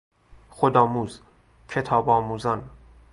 خودآموز، کتاب آموزان